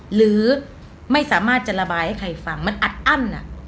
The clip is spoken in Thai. หรือไม่สามารถจะระบายให้ใครฟังมันอัดอั้น